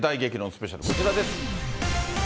スペシャル、こちらです。